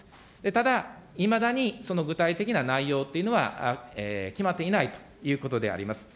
ただ、いまだにその具体的な内容というのは決まっていないということであります。